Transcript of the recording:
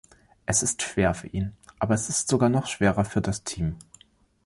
Es ist schwer für ihn, aber es ist sogar noch schwerer für das Team.